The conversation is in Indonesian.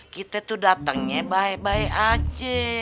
kita tuh datangnya baik baik aja